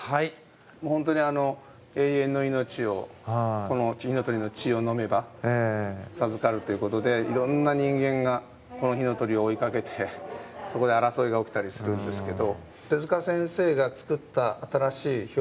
本当に永遠の命を火の鳥の血を飲めば授かるということで色んな人間がこの火の鳥を追いかけてそこで争いが起きたりするんですけど。